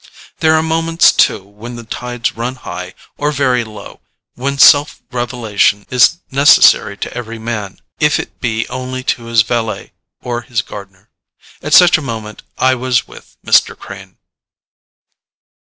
There are moments too, when the tides run high or very low, when self revelation is necessary to every man, if it be only to his valet or his gardener. At such a moment, I was with Mr. Crane.